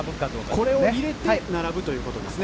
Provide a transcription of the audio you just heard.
これを入れて並ぶということですね。